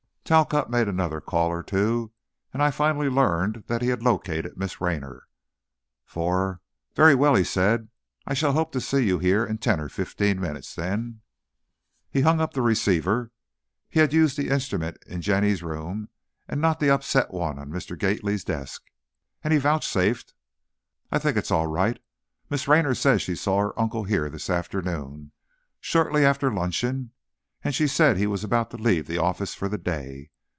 Talcott made another call or two, and I finally learned that he had located Miss Raynor. For, "Very well," he said; "I shall hope to see you here in ten or fifteen minutes, then." He hung up the receiver, he had used the instrument in Jenny's room, and not the upset one on Mr. Gately's desk, and he vouchsafed: "I think it is all right. Miss Raynor says she saw her uncle here this afternoon, shortly after luncheon, and he said he was about to leave the office for the day.